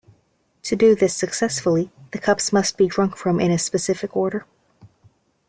To do this successfully, the cups must be drunk from in a specific order.